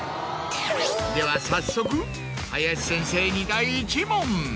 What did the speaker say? では早速林先生に第１問。